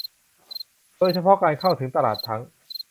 โดยเฉพาะการเข้าถึงตลาดทั้ง